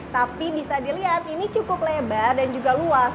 tapi bisa dilihat ini cukup lebar dan juga luas